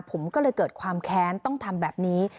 ผมก็เลยเกิดความแค้นต้องทำแบบนี้